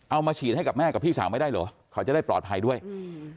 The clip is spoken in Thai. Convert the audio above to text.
เอามาฉีดให้กับแม่กับพี่สาวไม่ได้เหรอเขาจะได้ปลอดภัยด้วยอืม